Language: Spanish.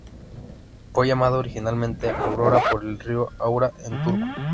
Fue llamada originalmente Aura por el río Aura en Turku.